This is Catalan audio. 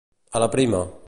A la prima.